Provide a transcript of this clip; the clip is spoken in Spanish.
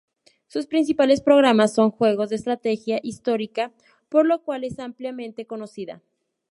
Sus principales programas son juegos de estrategia histórica por lo cual es ampliamente conocida.